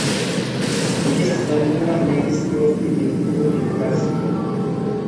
Li estas la nuna Ministro pri Medio de Brazilo.